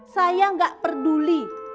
saya nggak peduli